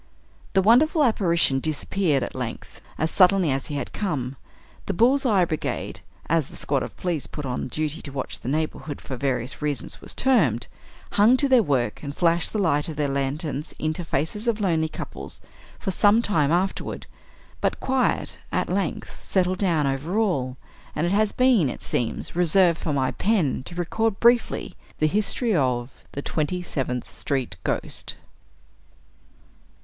The wonderful apparition disappeared, at length, as suddenly as he had come. The "Bull's Eye Brigade," as the squad of police put on duty to watch the neighborhood, for various reasons, was termed, hung to their work, and flashed the light of their lanterns into the faces of lonely couples, for some time afterward; but quiet, at length, settled down over all: and it has been it seems, reserved for my pen to record briefly the history of "The Twenty seventh street Ghost."